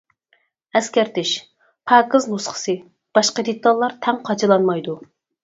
ئەسكەرتىش: پاكىز نۇسخىسى، باشقا دېتاللار تەڭ قاچىلانمايدۇ.